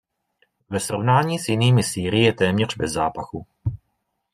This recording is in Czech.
Ve srovnání s jinými sýry je téměř bez zápachu.